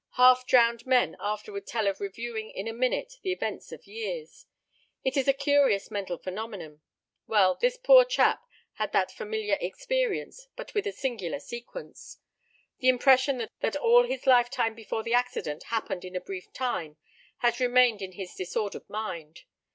Half drowned men afterward tell of reviewing in a minute the events of years. It is a curious mental phenomenon. Well, this poor chap had that familiar experience, but with a singular sequence. The impression that all his lifetime before the accident happened in a brief time has remained in his disordered mind.